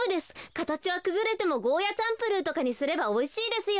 かたちはくずれてもゴーヤチャンプルーとかにすればおいしいですよ。